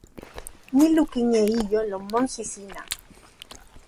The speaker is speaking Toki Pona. mi lukin e ijo lon monsi sina.